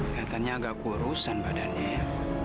kelihatannya agak kurusan badannya ya